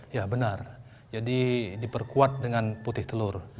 ya benar jadi diperkuat dengan putih telur